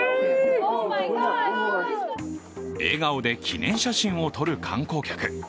笑顔で記念写真を撮る観光客。